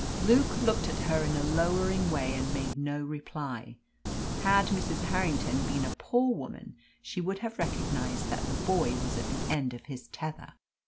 Luke looked at her in a lowering way and made no reply. Had Mrs. Harrington been a poor woman, she would have recognised that the boy was at the end of his tether.